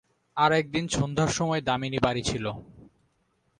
আর-একদিন সন্ধ্যার সময় দামিনী বাড়ি ছিল।